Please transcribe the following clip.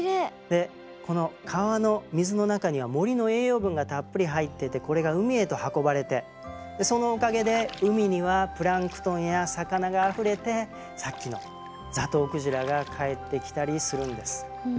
でこの川の水の中には森の栄養分がたっぷり入っててこれが海へと運ばれてそのおかげで海にはプランクトンや魚があふれてさっきのザトウクジラが帰ってきたりするんです。